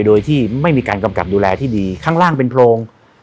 โดยที่ไม่มีการกำกับดูแลที่ดีข้างล่างเป็นโพรง